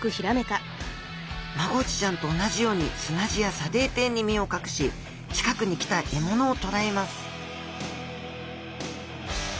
マゴチちゃんと同じように砂地や砂泥底に身を隠し近くに来た獲物を捕らえます